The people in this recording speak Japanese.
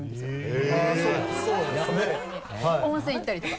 温泉行ったりとか。